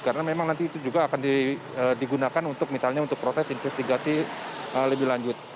karena memang nanti itu juga akan digunakan untuk misalnya untuk proses investigasi lebih lanjut